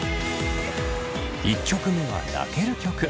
１曲目は泣ける曲。